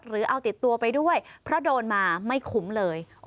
หรือเอาติดตัวไปด้วยเพราะโดนมาไม่คุ้มเลย